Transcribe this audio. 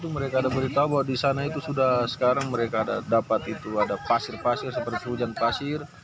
mereka ada berita bahwa di sana itu sudah sekarang mereka dapat itu ada pasir pasir seperti hujan pasir